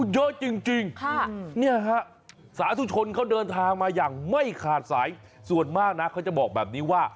เยอะจริงเนี่ยฮะสาธุชนเขาเดินทางมาอย่างไม่ขาดสายส่วนมากนะเขาจะบอกแบบนี้ว่า